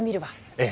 ええ。